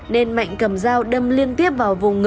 nên mạnh cầm dao đâm liên tiếp vào vùng ngự